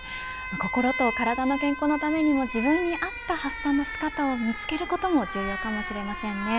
心と体の健康のためにも自分に合った発散の仕方を見つけることも重要かもしれませんね。